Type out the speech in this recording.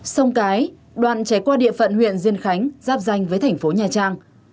sông cái đoạn chảy qua địa phận huyện diên khánh giáp danh với thành phố nhà trang